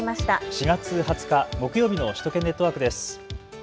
４月２０日、木曜日の首都圏ネットワークです。